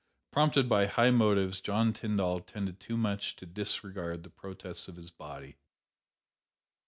Prompted by high motives, John Tyndall tended too much to disregard the protests of his body.